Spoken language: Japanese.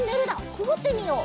くぐってみよう。